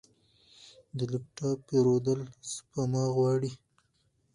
د لپ ټاپ پیرودل سپما غواړي.